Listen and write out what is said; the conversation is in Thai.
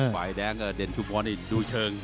ฝ่ายแดงก็เด่นชุดมอนด์อีกดูเชิง